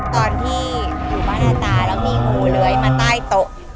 ตอนที่อยู่บ้านหน้าตาแล้วมีงูเลื้อยมาใต้โต๊ะ